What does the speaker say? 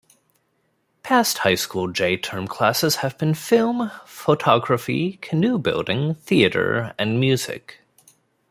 Past High School J-Term classes have been Film, Photography, Canoe-Building, Theater and Music.